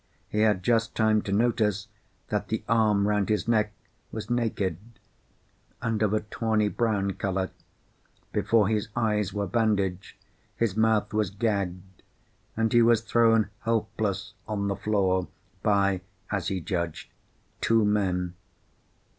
He had just time to notice that the arm round his neck was naked and of a tawny brown colour, before his eyes were bandaged, his mouth was gagged, and he was thrown helpless on the floor by (as he judged) two men.